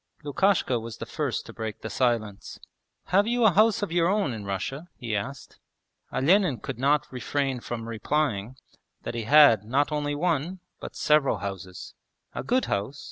Lukashka was the first to break the silence. 'Have you a house of your own in Russia?' he asked. Olenin could not refrain from replying that he had not only one, but several houses. 'A good house?